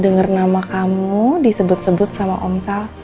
dengar nama kamu disebut sebut sama om sal